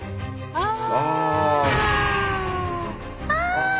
あ！あ！